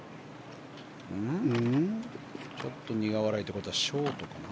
ちょっと苦笑いってことはショートかな。